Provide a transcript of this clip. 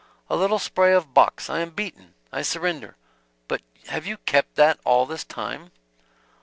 "A little spray of box! I am beaten I surrender. But have you kept that all this time?"